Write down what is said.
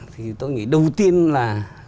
thì tôi nghĩ đầu tiên là